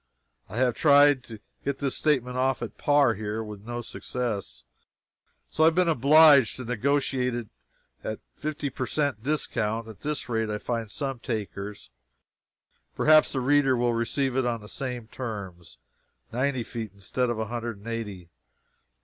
I have tried to get this statement off at par here, but with no success; so I have been obliged to negotiate it at fifty percent discount. At this rate I find some takers; perhaps the reader will receive it on the same terms ninety feet instead of one hundred and eighty.